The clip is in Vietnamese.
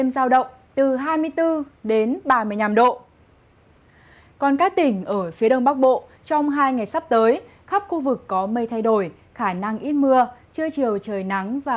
xin kính chào quý vị và các bạn